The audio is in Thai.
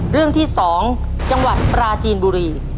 เรื่องที่๒จังหวัดปราจีนบุรี